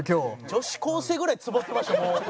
女子高生ぐらいツボってましたもう。